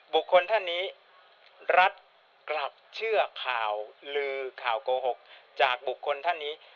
ท่านนี้รัฐกลับเชื่อข่าวลือข่าวโกหกจากบุคคลท่านนี้